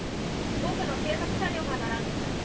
多くの警察車両が並んでいます。